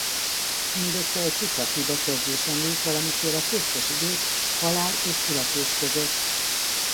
Mindössze egy tucatnyi bekezdés említ valamiféle köztes időt halál és születés között.